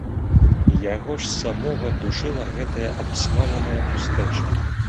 Яго ж самога душыла гэтая абсмаленая пустэча!